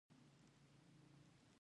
د یوه اندازه متمرکز نظم موجودیت.